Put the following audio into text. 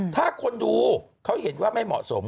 ถ้าคนดูเขาเห็นว่าไม่เหมาะสม